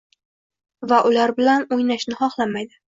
va ular bilan o‘ynashni xohlamaydi.